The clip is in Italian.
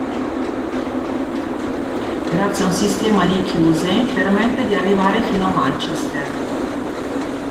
Grazie a un sistema di chiuse, permette di arrivare fino a Manchester.